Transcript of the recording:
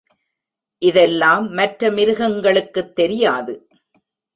இதெல்லாம் மற்ற மிருகங்களுக்குத் தெரியாது.